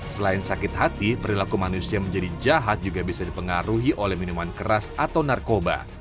selain sakit hati perilaku manusia menjadi jahat juga bisa dipengaruhi oleh minuman keras atau narkoba